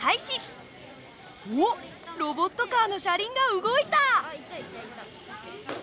おっロボットカーの車輪が動いた。